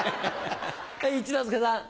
はい一之輔さん。